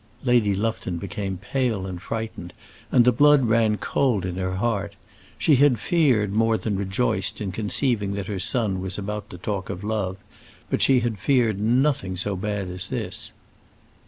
Lady Lufton became pale and frightened, and the blood ran cold to her heart. She had feared more than rejoiced in conceiving that her son was about to talk of love, but she had feared nothing so bad as this.